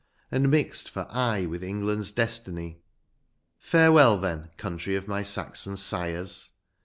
And mixed for aye with England's destiny. Farewell, then, country of my Saxon sires